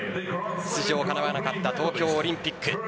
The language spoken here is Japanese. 出場かなわなかった東京オリンピック。